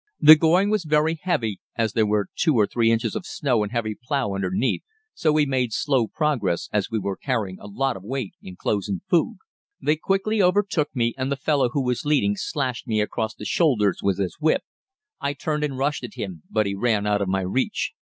The going was very heavy, as there were two or three inches of snow and heavy plough underneath, so we made slow progress, as we were carrying a lot of weight in clothes and food. They quickly overtook me, and the fellow who was leading slashed me across the shoulders with his whip. I turned and rushed at him, but he ran out of my reach.